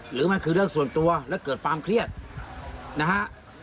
หรือมันคือเรื่องส่วนตัวและเกิดความเครียดนะฮะ